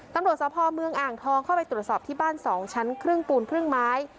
ตำรวจสภเมืองอ่างทองเข้าไปตรวจสอบที่บ้าน๒ชั้นครึ่งปูนครึ่งไม้